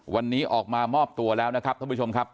วันนี้ออกมามอบตัวแล้วนะครับท่านผู้ชมครับ